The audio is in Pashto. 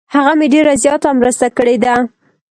هغه مې ډیر زیاته مرسته کړې ده.